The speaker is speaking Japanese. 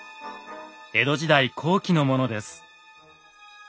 江戸時代後期のものです。